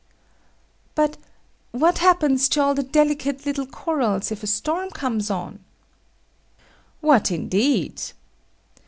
But what happens to all the delicate little corals if a storm comes on? What, indeed?